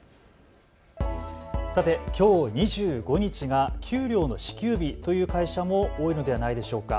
さてきょう２５日が給料の支給日という会社も多いのではないでしょうか。